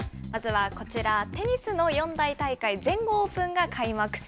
まずはこちら、テニスの四大大会、全豪オープンが開幕。